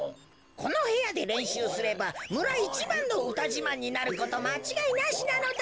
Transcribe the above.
このへやでれんしゅうすればむらいちばんのうたじまんになることまちがいなしなのだ。